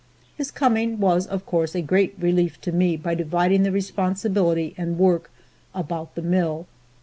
His coming was of course a great relief to me by dividing the responsibility and work about the mill.